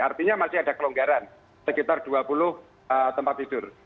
artinya masih ada kelonggaran sekitar dua puluh tempat tidur